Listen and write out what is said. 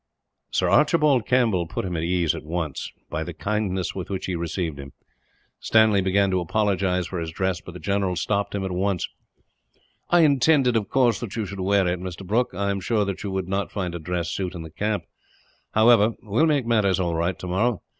Sir Archibald Campbell put him at ease, at once, by the kindness with which he received him. Stanley began to apologize for his dress, but the general stopped him, at once. "I intended, of course, that you should wear it, Mr. Brooke. I am sure that you would not find a dress suit in the camp. However, we will make matters all right, tomorrow.